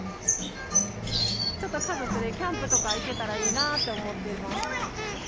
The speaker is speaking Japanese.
ちょっと家族でキャンプとか行けたらいいなと思ってます。